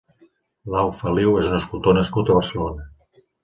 Lau Feliu és un escultor nascut a Barcelona.